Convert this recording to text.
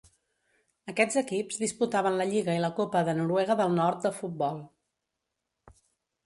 Aquests equips disputaven la Lliga i la Copa de Noruega del Nord de futbol.